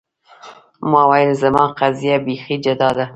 ما ویل زما قضیه بیخي جدا ده.